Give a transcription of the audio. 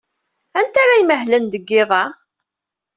Anta ara imahlen deg yiḍ-a?